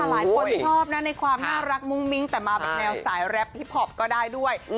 หลายคนชอบนะในความน่ารักมุ้งมิ้งแต่มาแบบแนวสายแรปฮิปพอปก็ได้ด้วย